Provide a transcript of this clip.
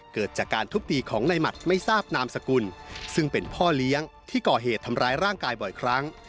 เกิดจากการทุบตีของในหมัดไม่ทราบนามสกุลซึ่งเป็นพ่อเลี้ยงที่ก่อเหตุทำร้ายร่างกายบ่อยครั้ง